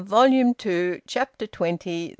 VOLUME TWO, CHAPTER TWENTY ONE.